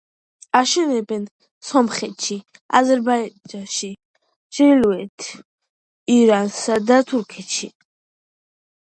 აშენებენ სომხეთში, აზერბაიჯანში, ჩრდილოეთ ირანსა და თურქეთში.